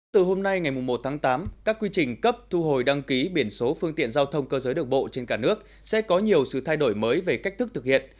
từ hôm nay ngày một tháng tám các quy trình cấp thu hồi đăng ký biển số phương tiện giao thông cơ giới được bộ trên cả nước sẽ có nhiều sự thay đổi mới về cách thức thực hiện